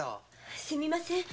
すみません。